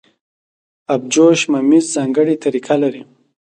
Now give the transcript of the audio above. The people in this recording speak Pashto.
ابجوش ممیز ځانګړې طریقه لري.